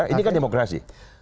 ini kan demokrasi